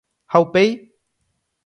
Ha upéi?